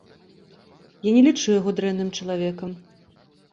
Я не лічу яго дрэнным чалавекам.